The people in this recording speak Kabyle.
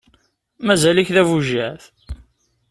Mazal-ik d abujad.